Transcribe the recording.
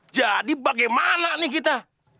jadi bagaimana nih kita